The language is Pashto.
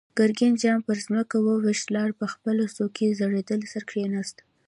ګرګين جام پر ځمکه و ويشت، لاړ، په خپله څوکۍ زړېدلی سر کېناست.